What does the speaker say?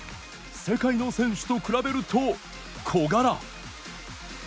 世界の選手と比べると、小柄。